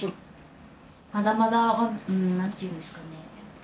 まだまだなんていうんですかね。